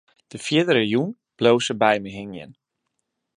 De fierdere jûn bleau se by my hingjen.